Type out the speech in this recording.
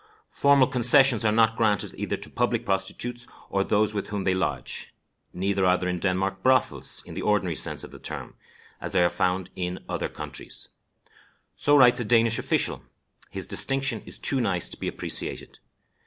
"Formal concessions are not granted either to public prostitutes or those with whom they lodge; neither are there in Denmark brothels, in the ordinary sense of the term, as they are found in other countries." So writes a Danish official. His distinction is too nice to be appreciated.